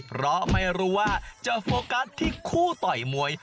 เพราะไม่รู้ว่าจะโฟกัสที่คู่ต่อยมวย